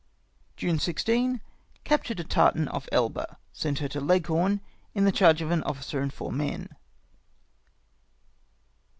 "June 16. — Captured a tartan off Elba. Sent her to Leghorn, in the charge of an officer and four men.